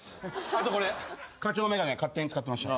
あとこれ課長の眼鏡勝手に使ってました。